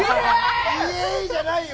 イエーイじゃないよ！